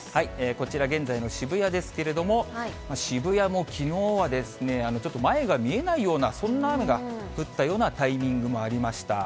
こちら、現在の渋谷ですけれども、渋谷もきのうは、ちょっと前が見えないような、そんな雨が降ったようなタイミングもありました。